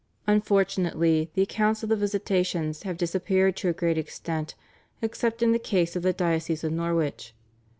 Unfortunately the accounts of the visitations have disappeared to a great extent except in case of the diocese of Norwich.